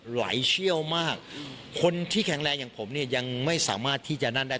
ไหลเชี่ยวมากคนที่แข็งแรงอย่างผมเนี่ยยังไม่สามารถที่จะนั่นได้